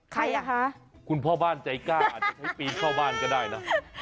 ใครอ่ะคะคุณพ่อบ้านใจกล้าอาจจะใช้ปีนเข้าบ้านก็ได้นะ